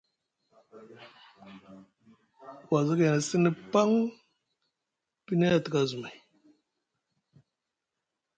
Wazagay na sini paŋ pini a tika azumay.